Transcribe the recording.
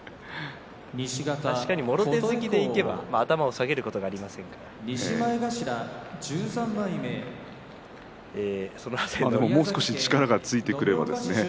確かにもろ手突きでいけば頭を下げることはもう少し力がついてくればですね